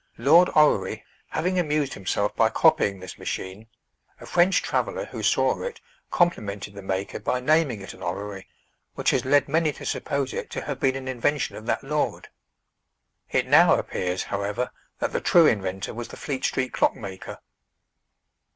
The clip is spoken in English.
Lord Orrery having amused himself by copying this machine, a French traveler who saw it complimented the maker by naming it an Orrery, which has led many to suppose it to have been an invention of that lord. It now appears, however, that the true inventor was the Fleet Street clock maker.